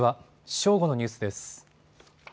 正午のニュースです。